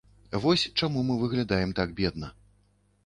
Вось чаму мы выглядаем так бедна.